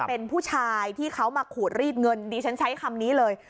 เป็นผู้ชายที่เขามาขูดรีดเงินดิฉันใช้คำนี้เลย